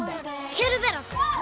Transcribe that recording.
ケルベロス！